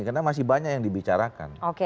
karena masih banyak yang dibicarakan